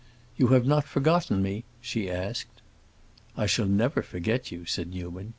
"You have not forgotten me?" she asked. "I shall never forget you," said Newman.